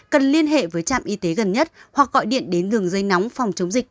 cần liên hệ với trạm y tế gần nhất hoặc gọi điện đến đường dây nóng phòng chống dịch